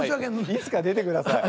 いつか出てください。